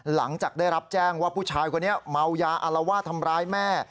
หลังจากได้รับแจ้งว่าผู้ชายคนนี้เมายาอารวาสทำร้ายแม่